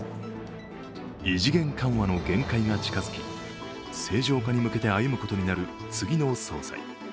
異次元緩和の限界が近づき正常化に向けて歩むことになる次の総裁。